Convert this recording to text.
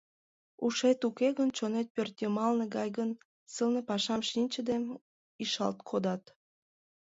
Ушет уке гын, чонет пӧрт йымалне гай гын, сылне пашам шинчыде, ишалт кодат.